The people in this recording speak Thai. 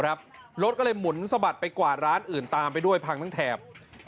รถก็เลยหมุนสะบัดไปกว่าร้านอื่นตามไปด้วยพังทั้งแถบ